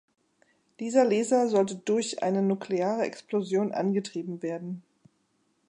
Dieser Laser sollte durch eine nukleare Explosion angetrieben werden.